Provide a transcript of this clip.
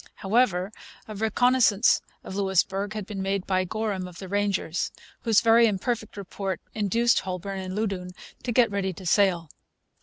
However, a reconnaissance of Louisbourg had been made by Gorham of the Rangers, whose very imperfect report induced Holbourne and Loudoun to get ready to sail.